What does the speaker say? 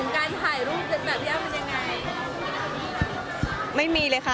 ก็คือพี่ที่อยู่เชียงใหม่พี่อธค่ะ